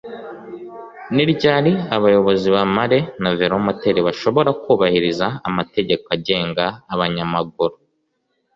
ni ryari abayobozi b’amare na velomoteri bashobora kubahiriza amategeko agenga abanyamaguru